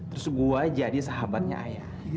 terus gue jadi sahabatnya ayah